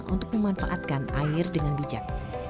untuk memanfaatkan air dengan bijak